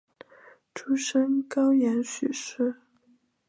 出身高阳许氏。